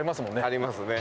ありますね。